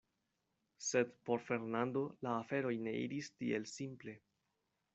Sed por Fernando la aferoj ne iris tiel simple.